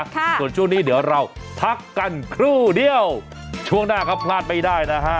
ส่วนช่วงนี้เดี๋ยวเราพักกันครู่เดียวช่วงหน้าครับพลาดไม่ได้นะฮะ